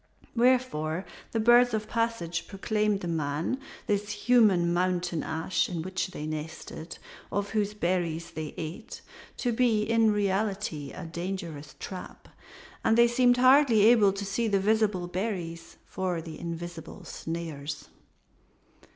Wherefore the birds of passage proclaimed the man, this human mountain ash in which they nested and of whose berries they ate, to be in reality a dangerous trap; and they seemed hardly able to see the visible berries for the invisible snares.